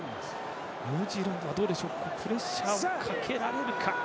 ニュージーランドはプレッシャーをかけられるか。